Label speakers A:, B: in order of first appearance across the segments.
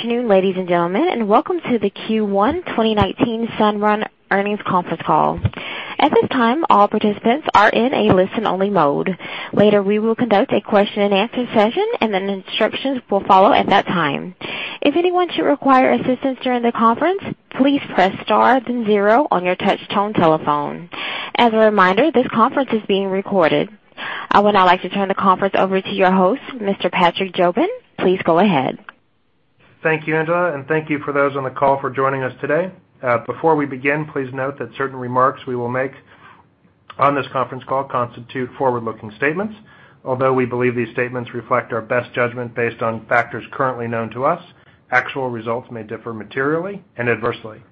A: Good afternoon, ladies and gentlemen, and welcome to the Q1 2019 Sunrun Earnings Conference Call. At this time, all participants are in a listen-only mode. Later, we will conduct a question and answer session, and then instructions will follow at that time. If anyone should require assistance during the conference, please press star then zero on your touchtone telephone. As a reminder, this conference is being recorded. I would now like to turn the conference over to your host, Mr. Patrick Jobin. Please go ahead.
B: Thank you, Angela, and thank you for those on the call for joining us today. Before we begin, please note that certain remarks we will make on this conference call constitute forward-looking statements. Although we believe these statements reflect our best judgment based on factors currently known to us, actual results may differ materially and adversely.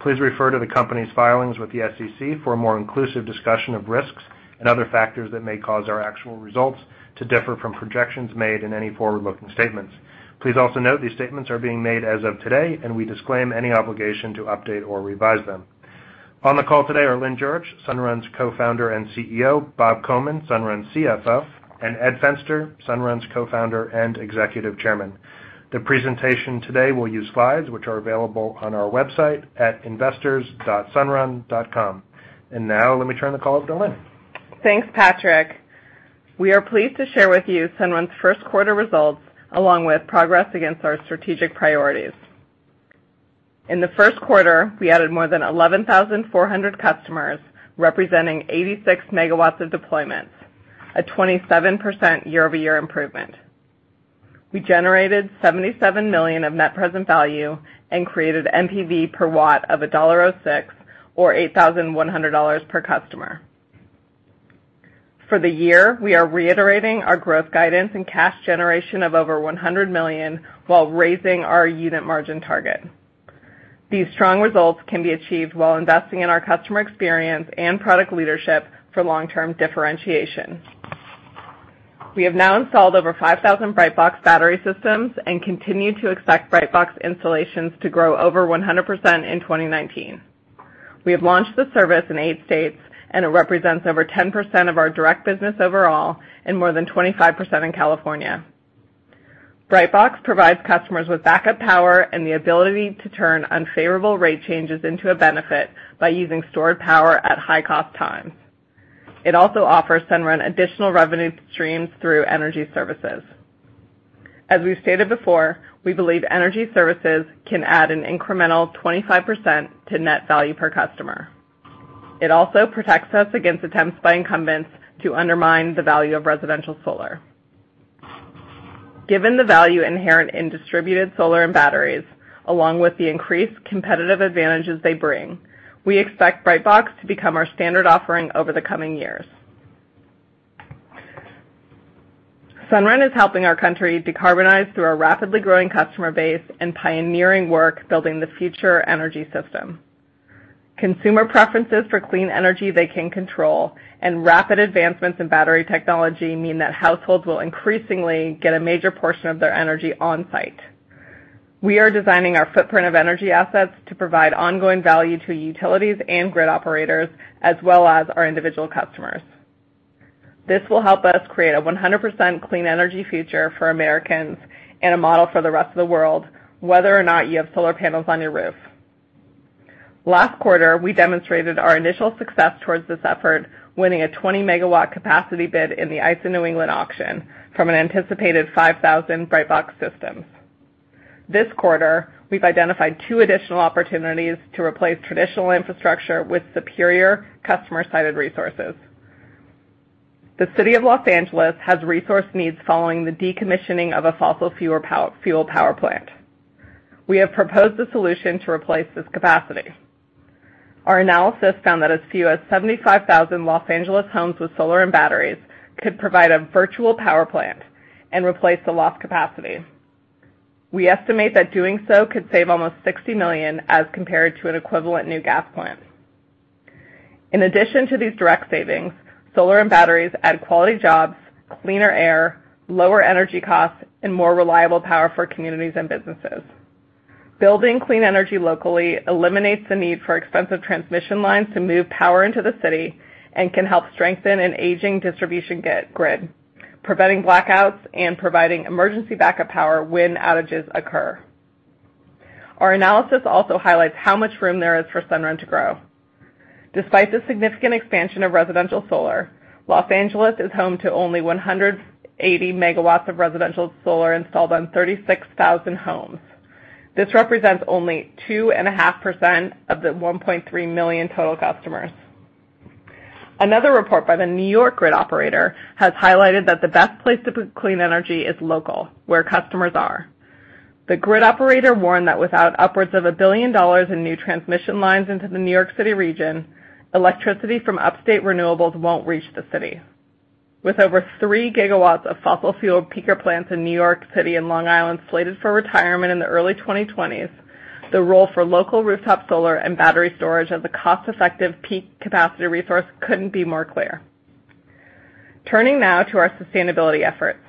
B: Please refer to the company's filings with the SEC for a more inclusive discussion of risks and other factors that may cause our actual results to differ from projections made in any forward-looking statements. Please also note these statements are being made as of today, and we disclaim any obligation to update or revise them. On the call today are Lynn Jurich, Sunrun's co-founder and CEO, Bob Komin, Sunrun's CFO, and Ed Fenster, Sunrun's co-founder and Executive Chairman. The presentation today will use slides which are available on our website at investors.sunrun.com. Now let me turn the call over to Lynn.
C: Thanks, Patrick. We are pleased to share with you Sunrun's first quarter results, along with progress against our strategic priorities. In the first quarter, we added more than 11,400 customers, representing 86 MW of deployments, a 27% year-over-year improvement. We generated $77 million of Net Present Value and created NPV per watt of $1.06 or $8,100 per customer. For the year, we are reiterating our growth guidance and cash generation of over $100 million while raising our unit margin target. These strong results can be achieved while investing in our customer experience and product leadership for long-term differentiation. We have now installed over 5,000 Brightbox battery systems and continue to expect Brightbox installations to grow over 100% in 2019. We have launched the service in eight states, and it represents over 10% of our direct business overall and more than 25% in California. Brightbox provides customers with backup power and the ability to turn unfavorable rate changes into a benefit by using stored power at high-cost times. It also offers Sunrun additional revenue streams through energy services. As we've stated before, we believe energy services can add an incremental 25% to net value per customer. It also protects us against attempts by incumbents to undermine the value of residential solar. Given the value inherent in distributed solar and batteries, along with the increased competitive advantages they bring, we expect Brightbox to become our standard offering over the coming years. Sunrun is helping our country decarbonize through a rapidly growing customer base and pioneering work building the future energy system. Consumer preferences for clean energy they can control and rapid advancements in battery technology mean that households will increasingly get a major portion of their energy on-site. We are designing our footprint of energy assets to provide ongoing value to utilities and grid operators, as well as our individual customers. This will help us create a 100% clean energy future for Americans and a model for the rest of the world, whether or not you have solar panels on your roof. Last quarter, we demonstrated our initial success towards this effort, winning a 20-megawatt capacity bid in the ISO New England auction from an anticipated 5,000 Brightbox systems. This quarter, we've identified two additional opportunities to replace traditional infrastructure with superior customer-sited resources. The City of Los Angeles has resource needs following the decommissioning of a fossil fuel power plant. We have proposed a solution to replace this capacity. Our analysis found that as few as 75,000 Los Angeles homes with solar and batteries could provide a virtual power plant and replace the lost capacity. We estimate that doing so could save almost $60 million as compared to an equivalent new gas plant. In addition to these direct savings, solar and batteries add quality jobs, cleaner air, lower energy costs, and more reliable power for communities and businesses. Building clean energy locally eliminates the need for expensive transmission lines to move power into the city and can help strengthen an aging distribution grid, preventing blackouts and providing emergency backup power when outages occur. Our analysis also highlights how much room there is for Sunrun to grow. Despite the significant expansion of residential solar, Los Angeles is home to only 180 megawatts of residential solar installed on 36,000 homes. This represents only 2.5% of the 1.3 million total customers. Another report by the New York grid operator has highlighted that the best place to put clean energy is local, where customers are. The grid operator warned that without upwards of $1 billion in new transmission lines into the New York City region, electricity from upstate renewables won't reach the city. With over 3 gigawatts of fossil fuel peaker plants in New York City and Long Island slated for retirement in the early 2020s, the role for local rooftop solar and battery storage as a cost-effective peak capacity resource couldn't be more clear. Turning now to our sustainability efforts.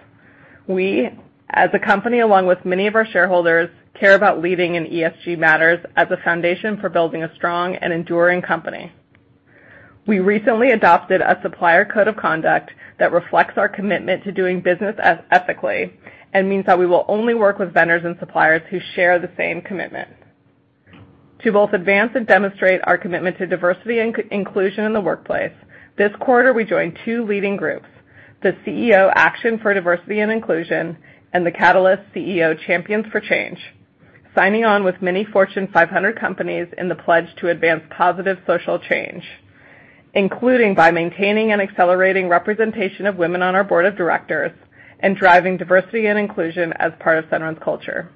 C: We, as a company, along with many of our shareholders, care about leading in ESG matters as a foundation for building a strong and enduring company.
D: We recently adopted a supplier code of conduct that reflects our commitment to doing business ethically, and means that we will only work with vendors and suppliers who share the same commitment. To both advance and demonstrate our commitment to diversity and inclusion in the workplace, this quarter, we joined two leading groups, the CEO Action for Diversity & Inclusion, and the Catalyst CEO Champions for Change, signing on with many Fortune 500 companies in the pledge to advance positive social change, including by maintaining and accelerating representation of women on our board of directors and driving diversity and inclusion as part of Sunrun's culture.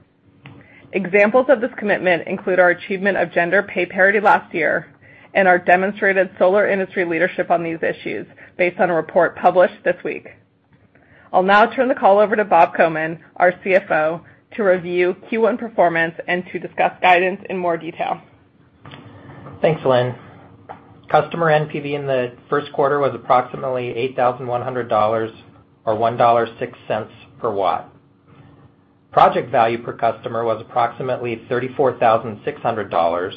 D: Examples of this commitment include our achievement of gender pay parity last year and our demonstrated solar industry leadership on these issues based on a report published this week. I'll now turn the call over to Bob Komin, our CFO, to review Q1 performance and to discuss guidance in more detail.
E: Thanks, Lynn. Customer NPV in the first quarter was approximately $8,100 or $1.06 per watt. Project value per customer was approximately $34,600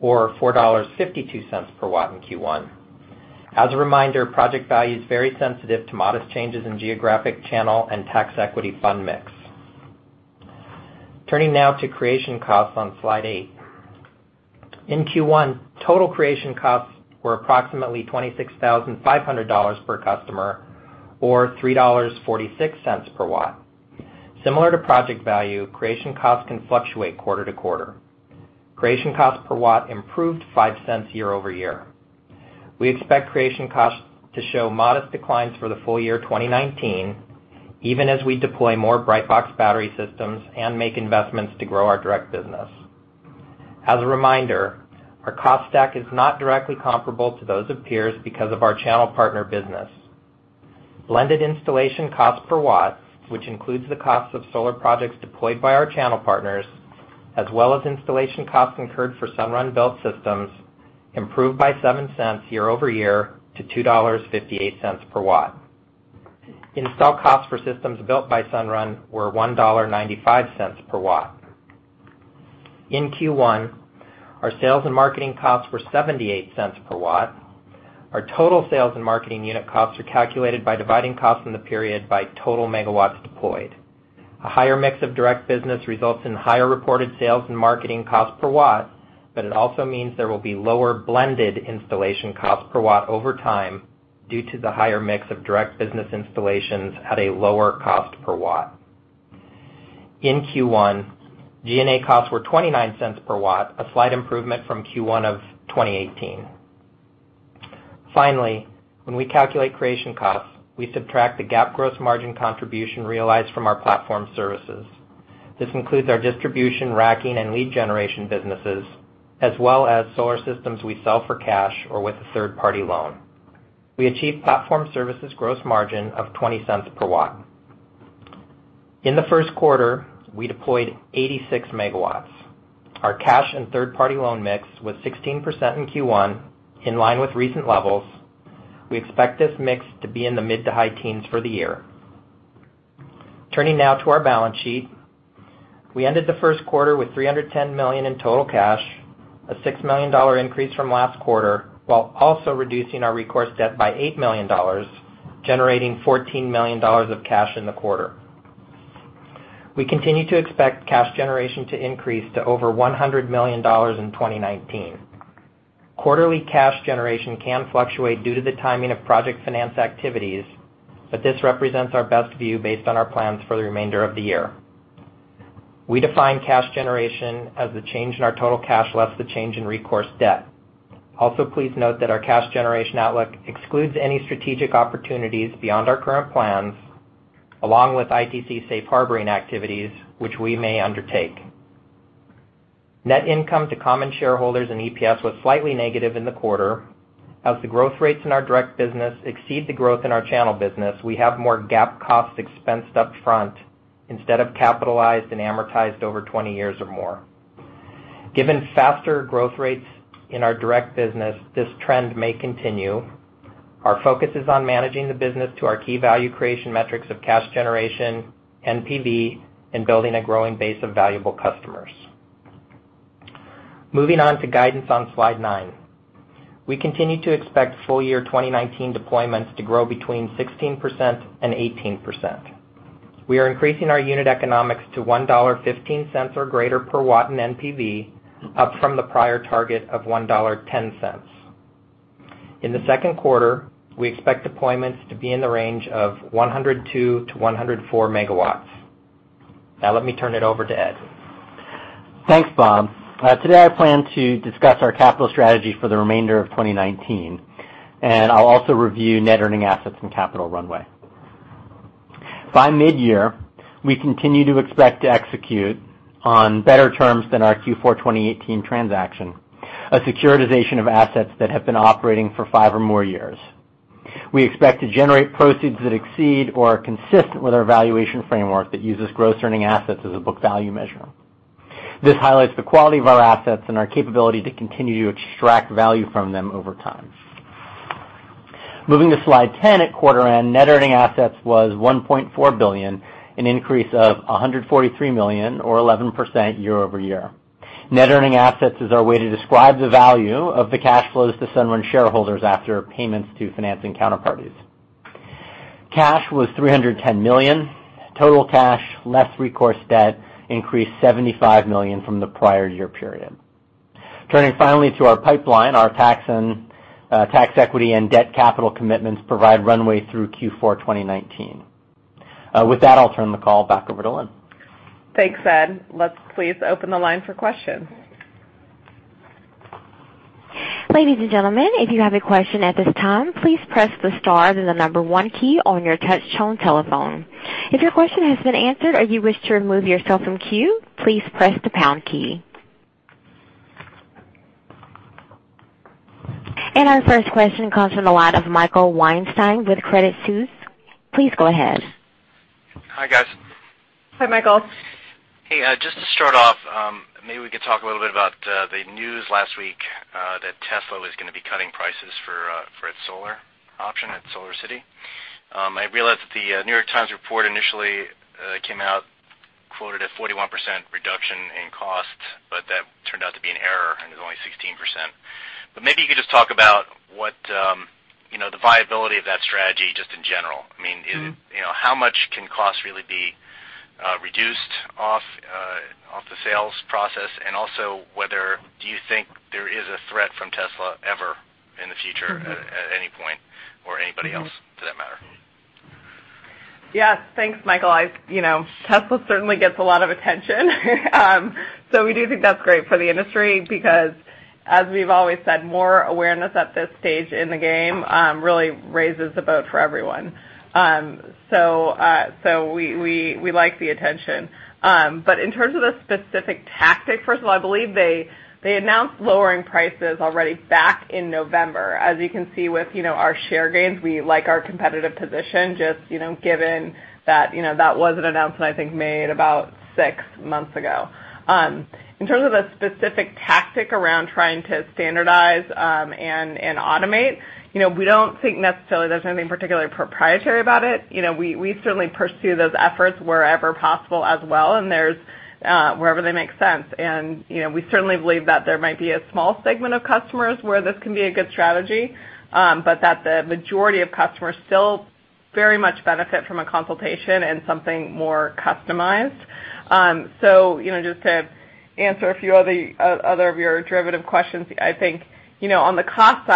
E: or $4.52 per watt in Q1. As a reminder, project value is very sensitive to modest changes in geographic channel and tax equity fund mix. Turning now to creation costs on slide eight. In Q1, total creation costs were approximately $26,500 per customer or $3.46 per watt. Similar to project value, creation costs can fluctuate quarter-to-quarter. Creation cost per watt improved $0.05 year-over-year. We expect creation costs to show modest declines for the full year 2019, even as we deploy more Brightbox battery systems and make investments to grow our direct business. As a reminder, our cost stack is not directly comparable to those of peers because of our channel partner business. Blended installation cost per watt, which includes the cost of solar projects deployed by our channel partners, as well as installation costs incurred for Sunrun-built systems, improved by $0.07 year-over-year to $2.58 per watt. Install costs for systems built by Sunrun were $1.95 per watt. In Q1, our sales and marketing costs were $0.78 per watt. Our total sales and marketing unit costs are calculated by dividing costs in the period by total megawatts deployed. A higher mix of direct business results in higher reported sales and marketing cost per watt, it also means there will be lower blended installation cost per watt over time due to the higher mix of direct business installations at a lower cost per watt. In Q1, G&A costs were $0.29 per watt, a slight improvement from Q1 of 2018. Finally, when we calculate creation costs, we subtract the GAAP gross margin contribution realized from our platform services. This includes our distribution, racking, and lead generation businesses, as well as solar systems we sell for cash or with a third-party loan. We achieved platform services gross margin of $0.20 per watt. In the first quarter, we deployed 86 MW. Our cash and third-party loan mix was 16% in Q1, in line with recent levels. We expect this mix to be in the mid to high teens for the year. Turning now to our balance sheet. We ended the first quarter with $310 million in total cash, a $6 million increase from last quarter, while also reducing our recourse debt by $8 million, generating $14 million of cash in the quarter. We continue to expect cash generation to increase to over $100 million in 2019. Quarterly cash generation can fluctuate due to the timing of project finance activities, this represents our best view based on our plans for the remainder of the year. We define cash generation as the change in our total cash less the change in recourse debt. Also, please note that our cash generation outlook excludes any strategic opportunities beyond our current plans, along with ITC safe harboring activities, which we may undertake. Net income to common shareholders and EPS was slightly negative in the quarter. As the growth rates in our direct business exceed the growth in our channel business, we have more GAAP costs expensed up front instead of capitalized and amortized over 20 years or more. Given faster growth rates in our direct business, this trend may continue. Our focus is on managing the business to our key value creation metrics of cash generation, NPV, and building a growing base of valuable customers. Moving on to guidance on slide nine. We continue to expect full year 2019 deployments to grow between 16%-18%. We are increasing our unit economics to $1.15 or greater per watt in NPV, up from the prior target of $1.10. In the second quarter, we expect deployments to be in the range of 102 to 104 MW. Now let me turn it over to Ed.
D: Thanks, Bob. Today, I plan to discuss our capital strategy for the remainder of 2019, and I'll also review Net Earning Assets and capital runway. By mid-year, we continue to expect to execute on better terms than our Q4 2018 transaction, a securitization of assets that have been operating for five or more years. We expect to generate proceeds that exceed or are consistent with our valuation framework that uses Gross Earning Assets as a book value measure. This highlights the quality of our assets and our capability to continue to extract value from them over time. Moving to slide 10. At quarter end, Net Earning Assets was $1.4 billion, an increase of $143 million or 11% year-over-year. Net Earning Assets is our way to describe the value of the cash flows to Sunrun shareholders after payments to financing counterparties. Cash was $310 million. Total cash less recourse debt increased $75 million from the prior year period. Turning finally to our pipeline, our tax equity and debt capital commitments provide runway through Q4 2019. With that, I'll turn the call back over to Lynn.
C: Thanks, Ed. Let's please open the line for questions.
A: Ladies and gentlemen, if you have a question at this time, please press the star then the number one key on your touch tone telephone. If your question has been answered or you wish to remove yourself from queue, please press the pound key. Our first question comes from the line of Michael Weinstein with Credit Suisse. Please go ahead.
F: Hi, guys.
C: Hi, Michael.
F: Hey, just to start off, maybe we could talk a little bit about the news last week, that Tesla was going to be cutting prices for its solar option at SolarCity. I realize that The New York Times report initially came out quoted a 41% reduction in cost, but that turned out to be an error, and it was only 16%. Maybe you could just talk about the viability of that strategy just in general. How much can cost really be reduced off the sales process? Also whether, do you think there is a threat from Tesla ever in the future at any point or anybody else for that matter?
C: Yes. Thanks, Michael. Tesla certainly gets a lot of attention. We do think that's great for the industry, because as we've always said, more awareness at this stage in the game, really raises the boat for everyone. We like the attention. In terms of the specific tactic, first of all, I believe they announced lowering prices already back in November. As you can see with our share gains, we like our competitive position, just given that was an announcement, I think made about six months ago. In terms of a specific tactic around trying to standardize, and automate, we don't think necessarily there's anything particularly proprietary about it. We certainly pursue those efforts wherever possible as well, and wherever they make sense. We certainly believe that there might be a small segment of customers where this can be a good strategy, but that the majority of customers still very much benefit from a consultation and something more customized. Just to answer a few other of your derivative questions, I think, on the cost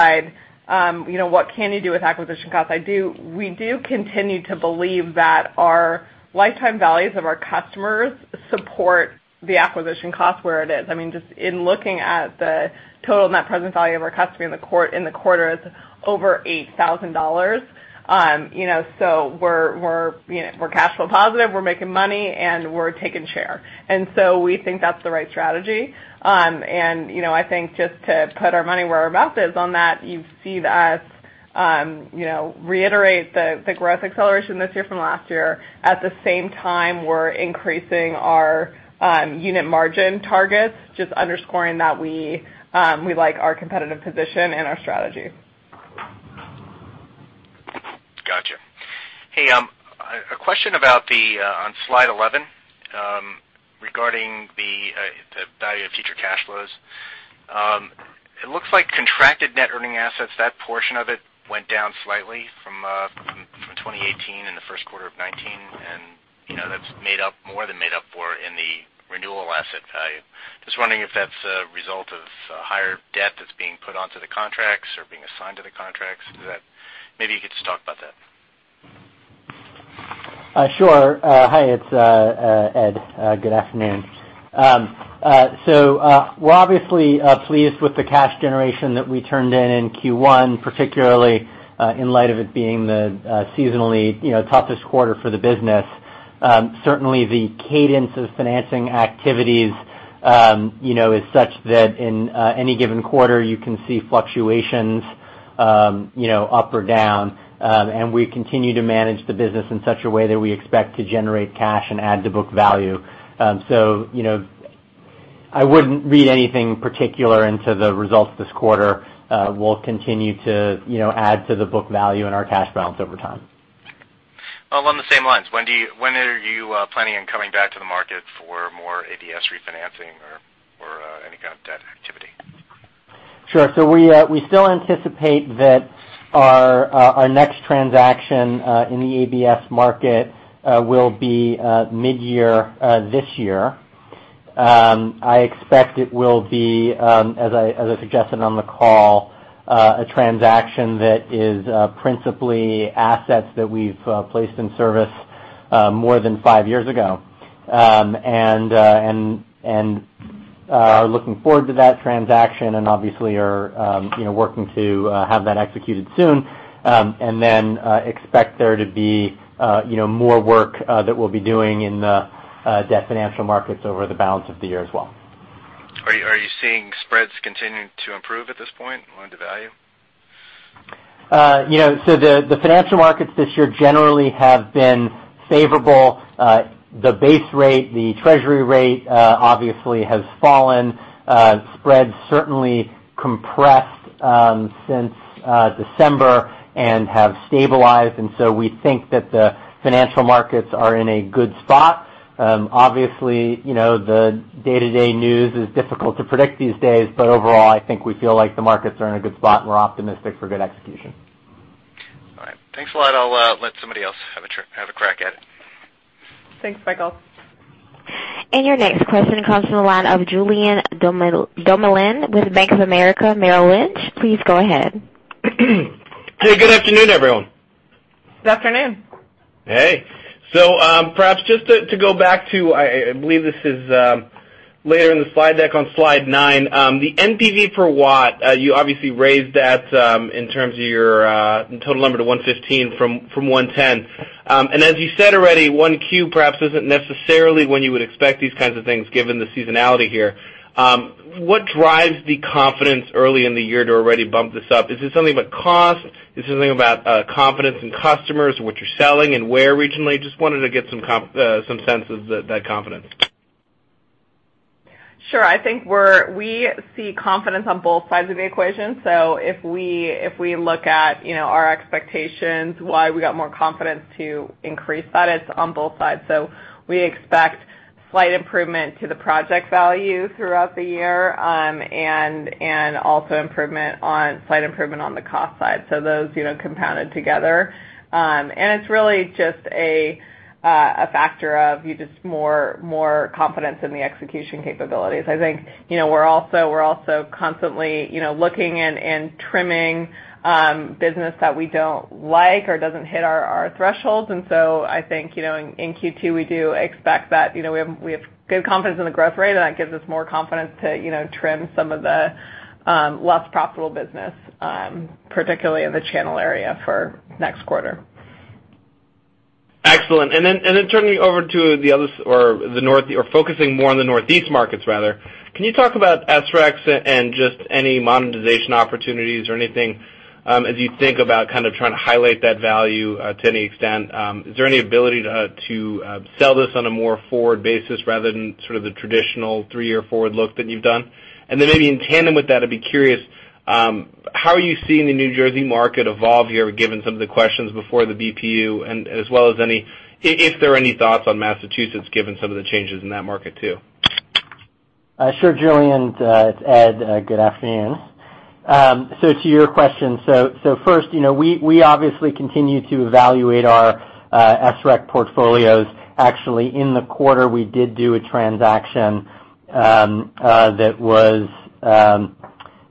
C: side, what can you do with acquisition costs? We do continue to believe that our lifetime values of our customers support the acquisition cost where it is. Just in looking at the total net present value of our customer in the quarter is over $8,000. We're cash flow positive, we're making money, and we're taking share. We think that's the right strategy. I think just to put our money where our mouth is on that, you see us reiterate the growth acceleration this year from last year. At the same time, we're increasing our unit margin targets, just underscoring that we like our competitive position and our strategy.
F: Got you. Hey, a question about on slide 11, regarding the value of future cash flows. It looks like contracted Net Earning Assets, that portion of it went down slightly from 2018 in the first quarter of 2019, and that's more than made up for in the renewal asset value. Just wondering if that's a result of higher debt that's being put onto the contracts or being assigned to the contracts. Maybe you could just talk about that.
D: Sure. Hi, it's Ed. Good afternoon. We're obviously pleased with the cash generation that we turned in in Q1, particularly, in light of it being the seasonally toughest quarter for the business. Certainly, the cadence of financing activities is such that in any given quarter, you can see fluctuations up or down. We continue to manage the business in such a way that we expect to generate cash and add to book value. I wouldn't read anything particular into the results this quarter. We'll continue to add to the book value in our cash balance over time.
F: Well, along the same lines, when are you planning on coming back to the market for more ABS refinancing or any kind of debt activity?
D: Sure. We still anticipate that our next transaction, in the ABS market, will be mid-year this year. I expect it will be, as I suggested on the call, a transaction that is principally assets that we've placed in service more than five years ago. Are looking forward to that transaction and obviously are working to have that executed soon. Expect there to be more work that we'll be doing in the debt financial markets over the balance of the year as well.
F: Are you seeing spreads continuing to improve at this point on the value?
D: The financial markets this year generally have been favorable. The base rate, the treasury rate, obviously has fallen. Spreads certainly compressed since December and have stabilized. We think that the financial markets are in a good spot. Obviously, the day-to-day news is difficult to predict these days, but overall, I think we feel like the markets are in a good spot, and we're optimistic for good execution.
F: All right. Thanks a lot. I'll let somebody else have a crack at it.
C: Thanks, Michael.
A: Your next question comes from the line of Julien Dumoulin-Smith with Bank of America Merrill Lynch. Please go ahead.
G: Hey, good afternoon, everyone.
C: Good afternoon.
G: Hey. Perhaps just to go back to, I believe this is later in the slide deck on slide nine. The NPV per watt, you obviously raised that in terms of your total number to 115 from 110. As you said already, 1Q perhaps isn't necessarily when you would expect these kinds of things, given the seasonality here. What drives the confidence early in the year to already bump this up? Is this something about cost? Is it something about confidence in customers, what you're selling, and where regionally? Just wanted to get some sense of that confidence.
C: Sure. I think we see confidence on both sides of the equation. If we look at our expectations, why we got more confidence to increase that, it's on both sides. We expect slight improvement to the project value throughout the year, and also slight improvement on the cost side. Those compounded together. It's really just a factor of just more confidence in the execution capabilities. I think we're also constantly looking and trimming business that we don't like or doesn't hit our thresholds. I think in Q2, we do expect that. We have good confidence in the growth rate, and that gives us more confidence to trim some of the less profitable business, particularly in the channel area for next quarter.
G: Excellent. Turning over to the other or focusing more on the Northeast markets rather, can you talk about SRECs and just any monetization opportunities or anything as you think about kind of trying to highlight that value to any extent? Is there any ability to sell this on a more forward basis rather than sort of the traditional three-year forward look that you've done? Maybe in tandem with that, I'd be curious, how are you seeing the New Jersey market evolve here, given some of the questions before the BPU and as well as if there are any thoughts on Massachusetts, given some of the changes in that market, too?
D: Sure, Julien. It's Ed. Good afternoon. To your question. First, we obviously continue to evaluate our SREC portfolios. Actually, in the quarter, we did do a transaction that was designed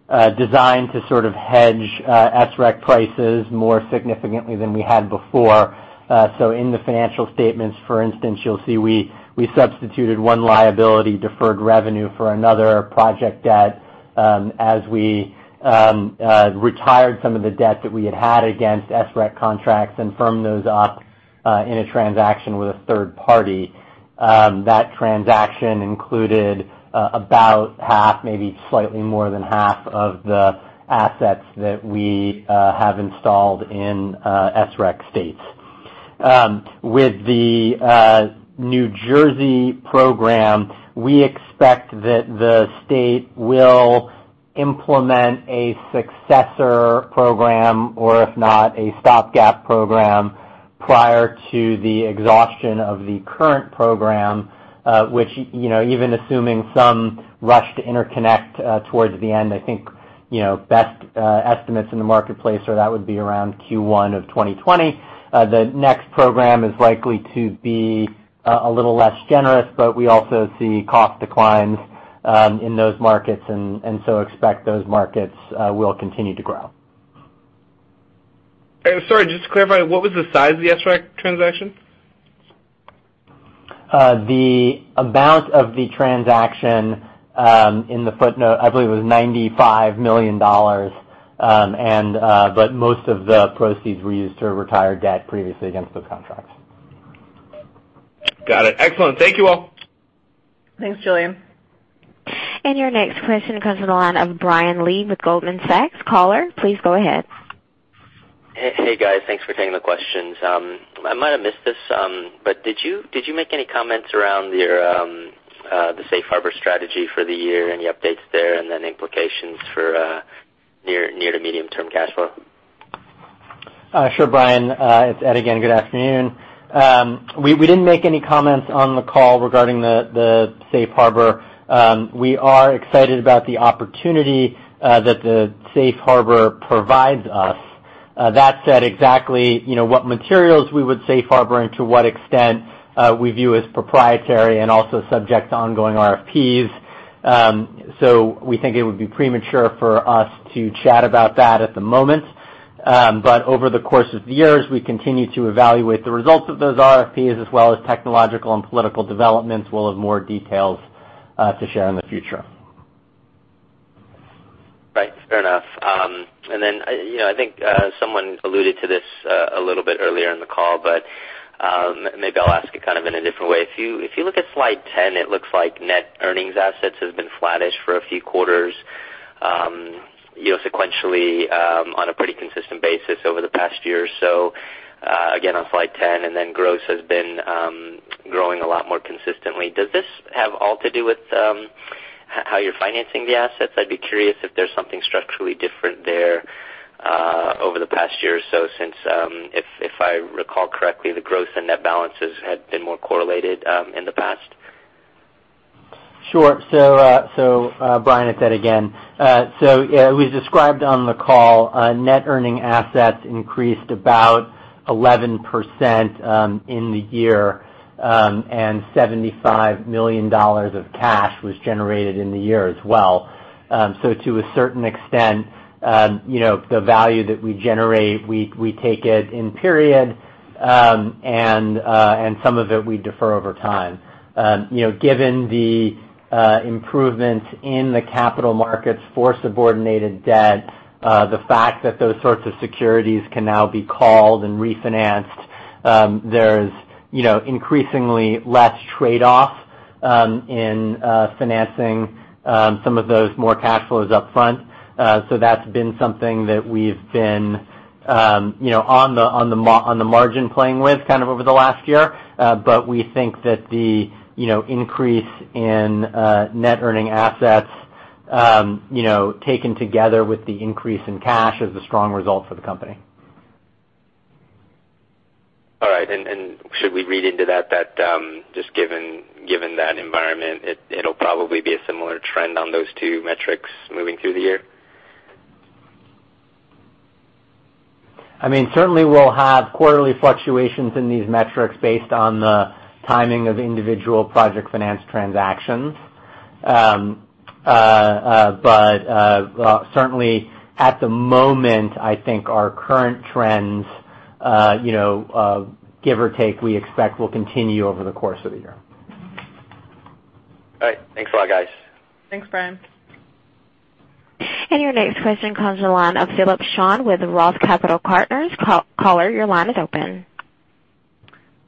D: to sort of hedge SREC prices more significantly than we had before. In the financial statements, for instance, you'll see we substituted one liability, deferred revenue, for another, project debt, as we retired some of the debt that we had had against SREC contracts and firmed those up in a transaction with a third party. That transaction included about half, maybe slightly more than half of the assets that we have installed in SREC states. With the New Jersey program, we expect that the state will implement a successor program or if not, a stopgap program prior to the exhaustion of the current program, which even assuming some rush to interconnect towards the end, I think, best estimates in the marketplace are that would be around Q1 of 2020. The next program is likely to be a little less generous. We also see cost declines in those markets, and expect those markets will continue to grow.
G: Sorry, just to clarify, what was the size of the SREC transaction?
D: The amount of the transaction in the footnote, I believe it was $95 million. Most of the proceeds were used to retire debt previously against those contracts.
G: Got it. Excellent. Thank you, all.
C: Thanks, Julien.
A: Your next question comes from the line of Brian Lee with Goldman Sachs. Caller, please go ahead.
H: Hey, guys. Thanks for taking the questions. I might have missed this, did you make any comments around the safe harbor strategy for the year? Any updates there, implications for near to medium-term cash flow?
D: Sure, Brian. It's Ed again. Good afternoon. We didn't make any comments on the call regarding the safe harbor. We are excited about the opportunity that the safe harbor provides us. Exactly what materials we would safe harbor and to what extent we view as proprietary and also subject to ongoing RFPs. We think it would be premature for us to chat about that at the moment. Over the course of the years, we continue to evaluate the results of those RFPs as well as technological and political developments. We'll have more details to share in the future.
H: Right. Fair enough. I think someone alluded to this a little bit earlier in the call. Maybe I'll ask it kind of in a different way. If you look at slide 10, it looks like Net Earning Assets have been flattish for a few quarters sequentially on a pretty consistent basis over the past year or so. Again, on slide 10, Gross has been growing a lot more consistently. Does this have all to do with how you're financing the assets? I'd be curious if there's something structurally different there over the past year or so since, if I recall correctly, the growth in Net balances had been more correlated in the past.
D: Sure, Brian, it's Ed again. Yeah, we described on the call Net Earning Assets increased about 11% in the year, and $75 million of cash was generated in the year as well. To a certain extent, the value that we generate, we take it in period, and some of it we defer over time. Given the improvement in the capital markets for subordinated debt, the fact that those sorts of securities can now be called and refinanced, there's increasingly less trade-off in financing some of those more cash flows up front. That's been something that we've been on the margin playing with kind of over the last year. We think that the increase in Net Earning Assets taken together with the increase in cash is a strong result for the company.
H: All right. Should we read into that just given that environment, it'll probably be a similar trend on those two metrics moving through the year?
D: Certainly we'll have quarterly fluctuations in these metrics based on the timing of individual project finance transactions. Certainly at the moment, I think our current trends give or take, we expect will continue over the course of the year.
H: All right. Thanks a lot, guys.
C: Thanks, Brian.
A: Your next question comes on the line of Philip Shen with ROTH Capital Partners. Caller, your line is open.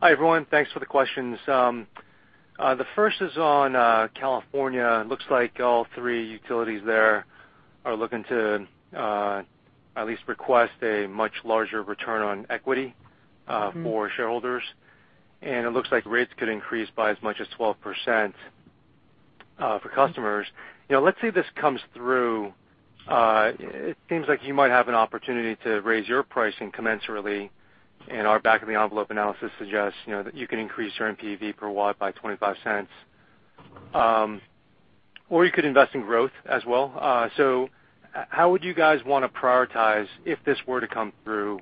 I: Hi, everyone. Thanks for the questions. The first is on California. Looks like all three utilities there are looking to at least request a much larger return on equity for shareholders, and it looks like rates could increase by as much as 12% for customers. Let's say this comes through, it seems like you might have an opportunity to raise your pricing commensurately, and our back of the envelope analysis suggests that you can increase your NPV per watt by $0.25. You could invest in growth as well. How would you guys want to prioritize if this were to come through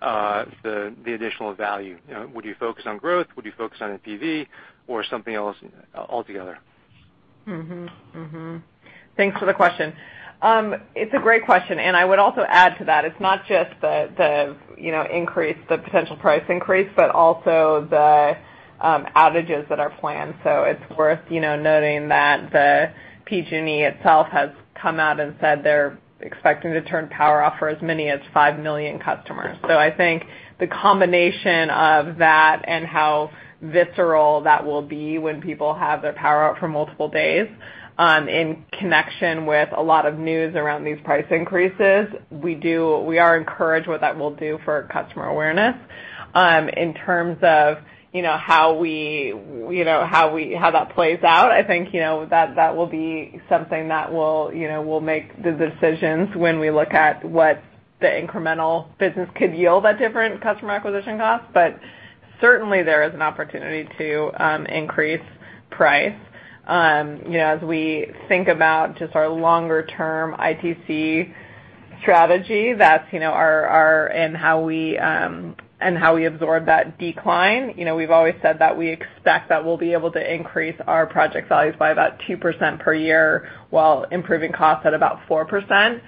I: the additional value? Would you focus on growth? Would you focus on NPV or something else altogether?
C: Thanks for the question. It's a great question. I would also add to that, it's not just the potential price increase, but also the outages that are planned. It's worth noting that the PG&E itself has come out and said they're expecting to turn power off for as many as five million customers. I think the combination of that and how visceral that will be when people have their power out for multiple days, in connection with a lot of news around these price increases, we are encouraged what that will do for customer awareness. In terms of how that plays out, I think that will be something that we'll make the decisions when we look at what the incremental business could yield at different customer acquisition costs. Certainly there is an opportunity to increase price. As we think about just our longer-term ITC strategy and how we absorb that decline, we've always said that we expect that we'll be able to increase our project values by about 2% per year while improving costs at about 4%-ish.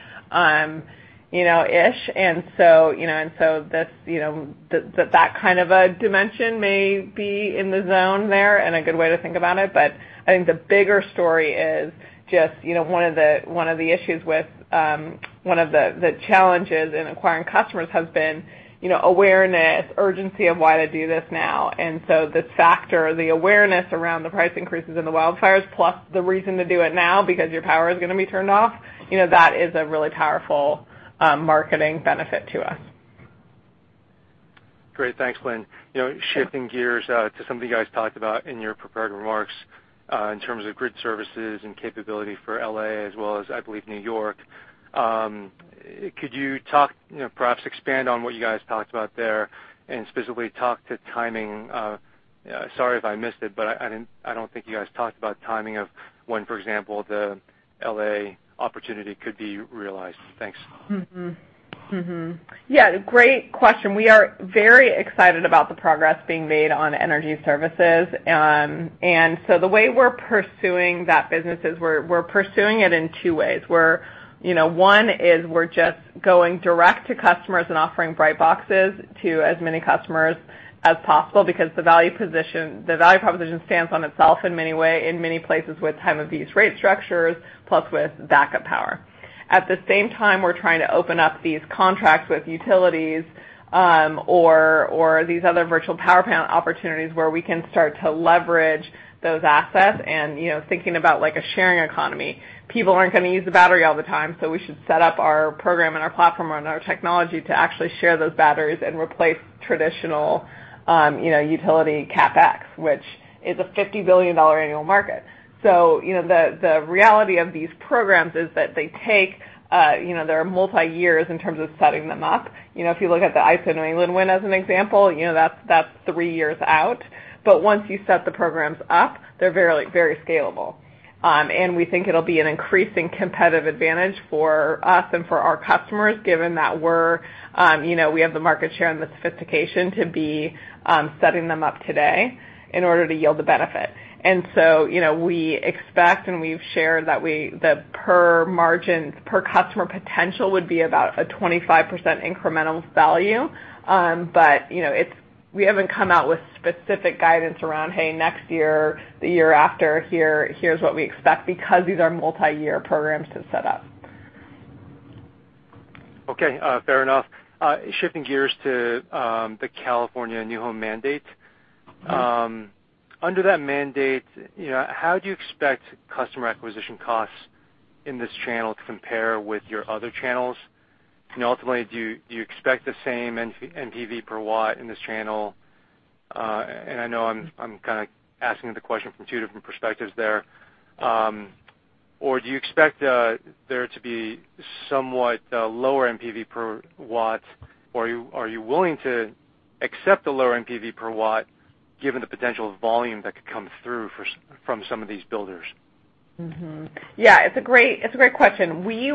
C: That kind of a dimension may be in the zone there and a good way to think about it. I think the bigger story is just one of the challenges in acquiring customers has been awareness, urgency of why to do this now. This factor, the awareness around the price increases in the wildfires plus the reason to do it now because your power is going to be turned off, that is a really powerful marketing benefit to us.
I: Great. Thanks, Lynn. Shifting gears to something you guys talked about in your prepared remarks in terms of grid services and capability for L.A. as well as I believe New York. Could you perhaps expand on what you guys talked about there and specifically talk to timing? Sorry if I missed it, I don't think you guys talked about timing of when, for example, the L.A. opportunity could be realized. Thanks.
C: Great question. We are very excited about the progress being made on energy services. The way we're pursuing that business is we're pursuing it in two ways. One is we're just going direct to customers and offering Brightbox to as many customers as possible because the value proposition stands on itself in many places with time of use rate structures plus with backup power. At the same time, we're trying to open up these contracts with utilities or these other virtual power plant opportunities where we can start to leverage those assets and thinking about a sharing economy. People aren't going to use the battery all the time, so we should set up our program and our platform and our technology to actually share those batteries and replace traditional utility CapEx, which is a $50 billion annual market. The reality of these programs is that they are multi-years in terms of setting them up. If you look at the ISO New England one as an example, that's 3 years out. Once you set the programs up, they're very scalable. We think it'll be an increasing competitive advantage for us and for our customers, given that we have the market share and the sophistication to be setting them up today in order to yield the benefit. We expect, and we've shared that the per margin, per customer potential would be about a 25% incremental value. We haven't come out with specific guidance around, hey, next year, the year after, here's what we expect, because these are multi-year programs to set up.
I: Okay, fair enough. Shifting gears to the California new home mandate. Under that mandate, how do you expect customer acquisition costs in this channel to compare with your other channels? Ultimately, do you expect the same NPV per watt in this channel? I know I'm kind of asking the question from 2 different perspectives there. Do you expect there to be somewhat lower NPV per watt? Are you willing to accept the lower NPV per watt given the potential volume that could come through from some of these builders?
C: Great question. We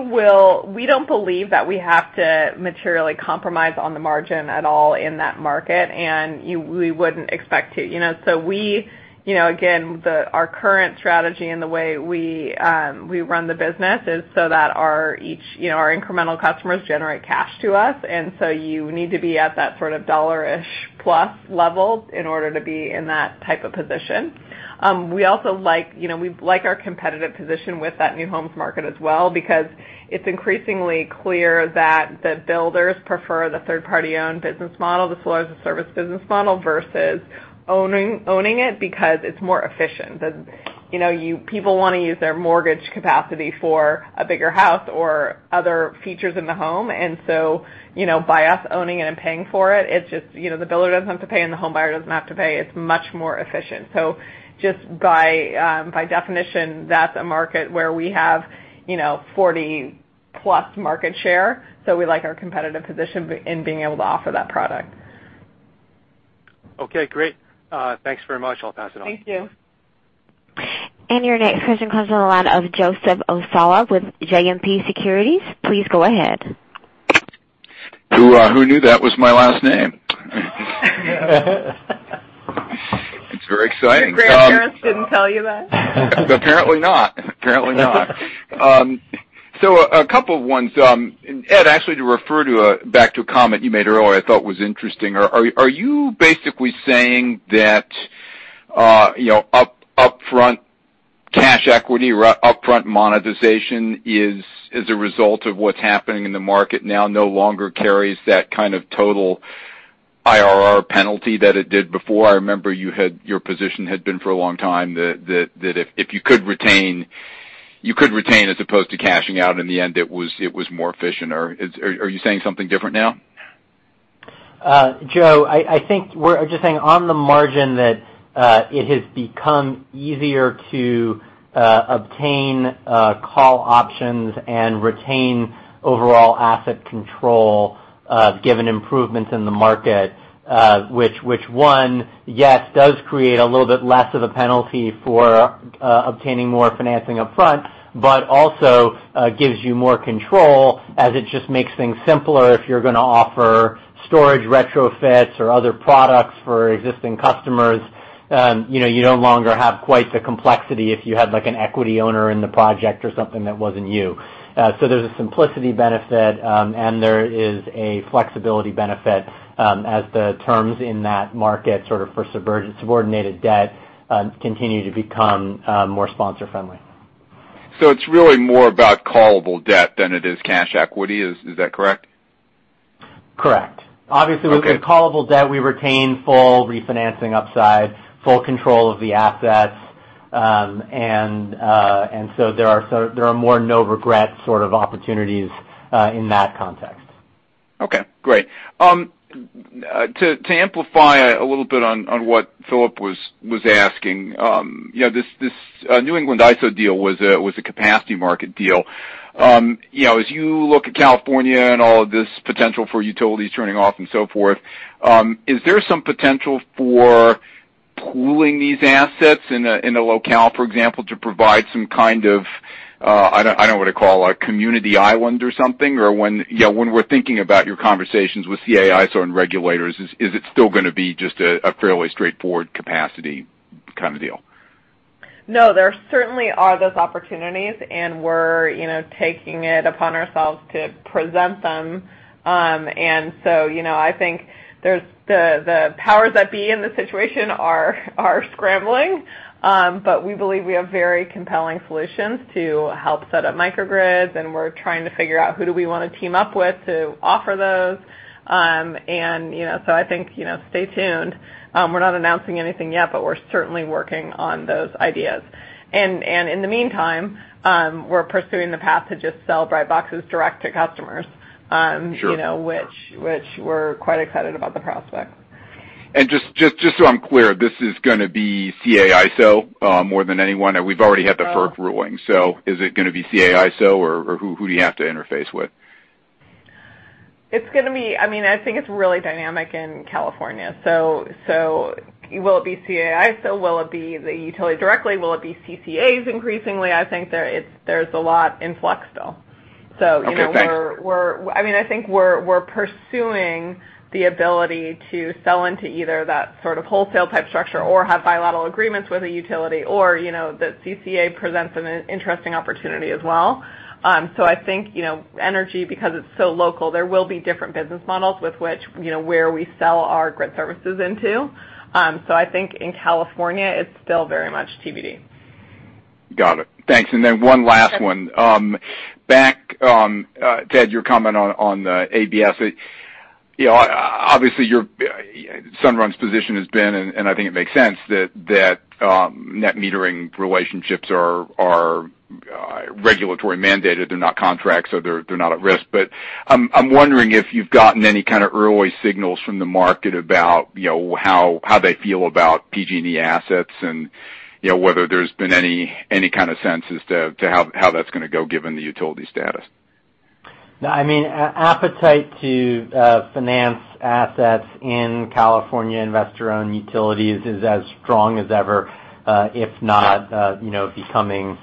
C: don't believe that we have to materially compromise on the margin at all in that market, and we wouldn't expect to. Again, our current strategy and the way we run the business is so that our incremental customers generate cash to us, and so you need to be at that sort of dollar-ish plus level in order to be in that type of position. We like our competitive position with that new homes market as well, because it's increasingly clear that the builders prefer the third-party-owned business model, the solar as a service business model, versus owning it because it's more efficient. People want to use their mortgage capacity for a bigger house or other features in the home. By us owning it and paying for it, the builder doesn't have to pay, and the home buyer doesn't have to pay. It's much more efficient. Just by definition, that's a market where we have 40-plus market share, so we like our competitive position in being able to offer that product.
I: Okay, great. Thanks very much. I'll pass it on.
C: Thank you.
A: Your next question comes on the line of Joseph Osha with JMP Securities. Please go ahead.
J: Who knew that was my last name? It's very exciting.
C: Your grandparents didn't tell you that?
J: Apparently not. A couple of ones. Ed, actually, to refer back to a comment you made earlier I thought was interesting. Are you basically saying that upfront cash equity or upfront monetization is a result of what's happening in the market now, no longer carries that kind of total IRR penalty that it did before? I remember your position had been for a long time that if you could retain as opposed to cashing out in the end, it was more efficient. Are you saying something different now?
D: Joe, I think we're just saying on the margin that it has become easier to obtain call options and retain overall asset control given improvements in the market which, yes, does create a little bit less of a penalty for obtaining more financing up front, but also gives you more control as it just makes things simpler if you're going to offer storage retrofits or other products for existing customers. You no longer have quite the complexity if you had an equity owner in the project or something that wasn't you. There's a simplicity benefit, and there is a flexibility benefit as the terms in that market sort of for subordinated debt continue to become more sponsor friendly.
J: It's really more about callable debt than it is cash equity, is that correct?
D: Correct.
J: Okay
D: With the callable debt, we retain full refinancing upside, full control of the assets. There are more no regret sort of opportunities in that context.
J: Okay, great. To amplify a little bit on what Philip was asking, this ISO New England deal was a capacity market deal. As you look at California and all of this potential for utilities turning off and so forth, is there some potential for pooling these assets in a locale, for example, to provide some kind of, I don't know what to call, a community island or something, or when we're thinking about your conversations with CAISO and regulators, is it still going to be just a fairly straightforward capacity kind of deal?
C: There certainly are those opportunities, we're taking it upon ourselves to present them. I think the powers that be in this situation are scrambling. We believe we have very compelling solutions to help set up microgrids, and we're trying to figure out who do we want to team up with to offer those. I think, stay tuned. We're not announcing anything yet, but we're certainly working on those ideas. In the meantime, we're pursuing the path to just sell Brightbox direct to customers-
J: Sure
C: which we're quite excited about the prospect.
J: Just so I'm clear, this is going to be CAISO more than anyone, and we've already had the FERC ruling. Is it going to be CAISO, or who do you have to interface with?
C: I think it's really dynamic in California. Will it be CAISO? Will it be the utility directly? Will it be CCAs increasingly? I think there's a lot in flux still.
J: Okay, thanks.
C: I think we're pursuing the ability to sell into either that sort of wholesale type structure or have bilateral agreements with a utility, or the CCA presents an interesting opportunity as well. I think, energy, because it's so local, there will be different business models with which, where we sell our grid services into. I think in California, it's still very much TBD.
J: Got it. Thanks. Then one last one. Back, Ed, your comment on the ABS. Obviously, Sunrun's position has been, I think it makes sense, that net metering relationships are regulatory mandated. They're not contracts, so they're not at risk. I'm wondering if you've gotten any kind of early signals from the market about how they feel about PG&E assets and whether there's been any kind of sense as to how that's going to go given the utility status.
D: No, appetite to finance assets in California investor-owned utilities is as strong as ever, if not becoming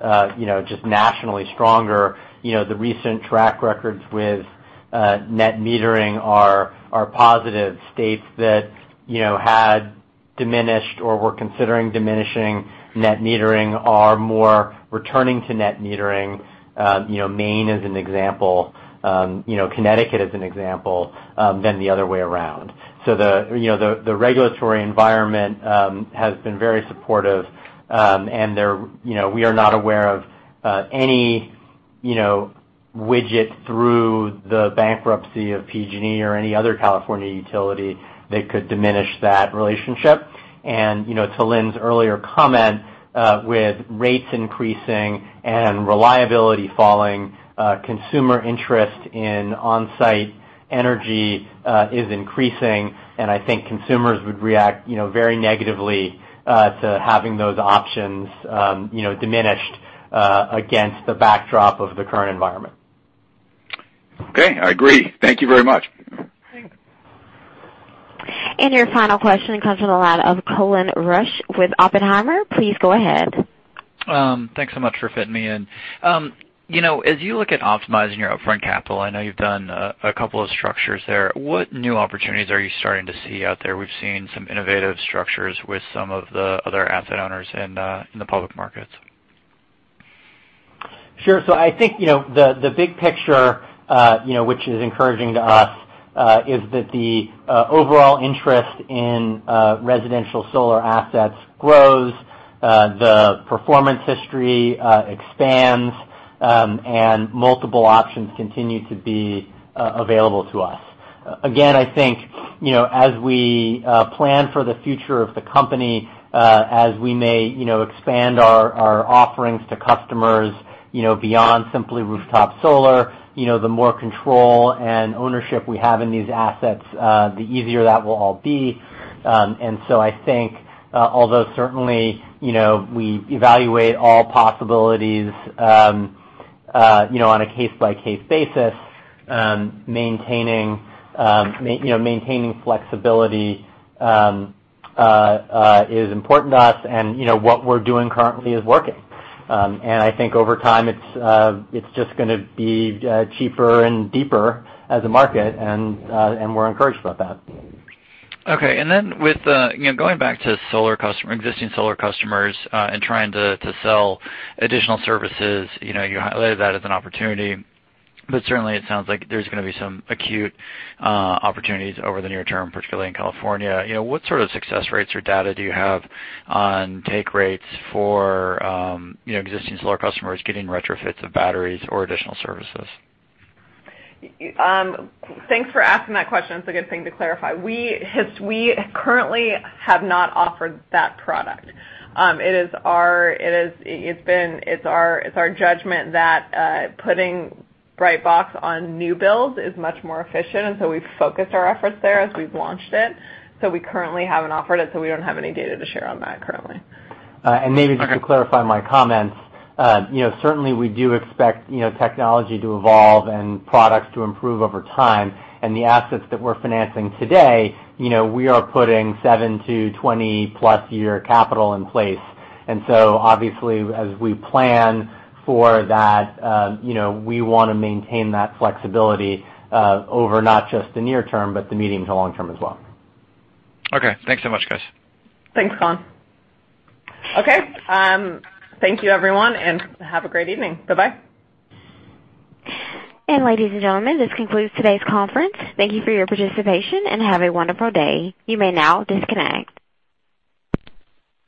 D: just nationally stronger. The recent track records with net metering are positive states that had diminished or were considering diminishing net metering are more returning to net metering, Maine as an example, Connecticut as an example, than the other way around. The regulatory environment has been very supportive. We are not aware of any widget through the bankruptcy of PG&E or any other California utility that could diminish that relationship. To Lynn's earlier comment, with rates increasing and reliability falling, consumer interest in on-site energy is increasing, and I think consumers would react very negatively to having those options diminished against the backdrop of the current environment.
J: Okay. I agree. Thank you very much.
C: Thanks.
A: Your final question comes from the line of Colin Rusch with Oppenheimer. Please go ahead.
K: Thanks so much for fitting me in. As you look at optimizing your upfront capital, I know you've done a couple of structures there. What new opportunities are you starting to see out there? We've seen some innovative structures with some of the other asset owners in the public markets.
D: Sure. I think the big picture, which is encouraging to us, is that the overall interest in residential solar assets grows, the performance history expands, and multiple options continue to be available to us. Again, I think, as we plan for the future of the company, as we may expand our offerings to customers beyond simply rooftop solar, the more control and ownership we have in these assets, the easier that will all be. I think, although certainly we evaluate all possibilities on a case-by-case basis, maintaining flexibility is important to us, and what we're doing currently is working. I think over time it's just going to be cheaper and deeper as a market, and we're encouraged about that.
K: Okay. Going back to existing solar customers and trying to sell additional services, you highlighted that as an opportunity. Certainly it sounds like there's going to be some acute opportunities over the near term, particularly in California. What sort of success rates or data do you have on take rates for existing solar customers getting retrofits of batteries or additional services?
C: Thanks for asking that question. It's a good thing to clarify. We currently have not offered that product. It's our judgment that putting Brightbox on new builds is much more efficient. We've focused our efforts there as we've launched it. We currently haven't offered it. We don't have any data to share on that currently.
K: Okay.
D: Maybe just to clarify my comments. Certainly we do expect technology to evolve and products to improve over time. The assets that we're financing today, we are putting seven to 20-plus year capital in place. Obviously as we plan for that, we want to maintain that flexibility over not just the near term, but the medium to long term as well.
K: Okay. Thanks so much, guys.
C: Thanks, Colin. Okay. Thank you everyone, and have a great evening. Bye-bye.
A: Ladies and gentlemen, this concludes today's conference. Thank you for your participation, and have a wonderful day. You may now disconnect.